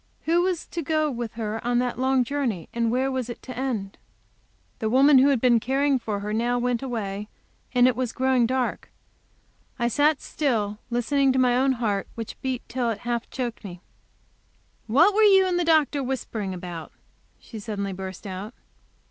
Who was to go with her on that long journey, and where was it to end? The woman who had been caring for her now went away, and it was growing dark. I sat still listening to my own heart, which beat till it half choked me. "What were you and the doctor whispering about?" she suddenly burst out.